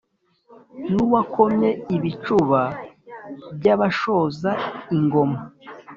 n’uwakomye ibicuba by’abashoza ingoma,